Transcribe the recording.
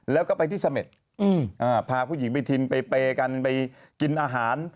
แล้วก็ไปที่เสม็ดพาผู้หญิงไปทินไปเปย์กันไปกินอาหาร